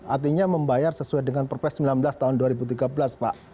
artinya membayar sesuai dengan perpres sembilan belas tahun dua ribu tiga belas pak